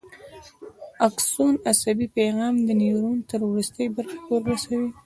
اکسون عصبي پیغام د نیورون تر وروستۍ برخې پورې رسوي.